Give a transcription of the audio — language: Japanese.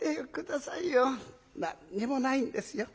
「何にもないんですよ。